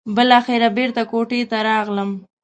بالاخره بېرته کوټې ته راغلم.